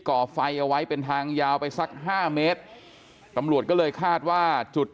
่อไฟเอาไว้เป็นทางยาวไปสักห้าเมตรตำรวจก็เลยคาดว่าจุด